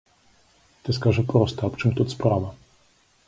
Ты скажы проста, аб чым тут справа.